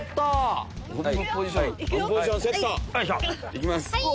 いきます。